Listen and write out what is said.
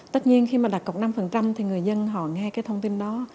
tất nhiên khi mà đặt cọc năm thì người dân họ nghe cái thông tin đó